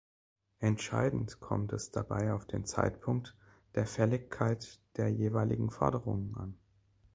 Entscheidend kommt es dabei auf den Zeitpunkt der Fälligkeit der jeweiligen Forderungen an.